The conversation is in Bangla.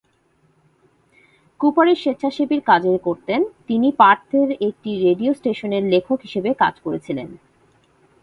কুপারের স্বেচ্ছাসেবীর কাজের করতেন, তিনি পার্থের একটি রেডিও স্টেশনের লেখক হিসাবে কাজ করেছিলেন।